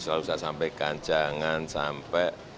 saya selalu sampaikan jangan sampai